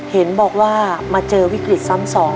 เห็นบอกว่ามาเจอวิกฤตซ้ำสอง